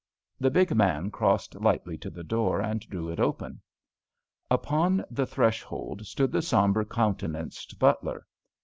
The big man crossed lightly to the door and drew it open. Upon the threshold stood the sombre countenanced butler.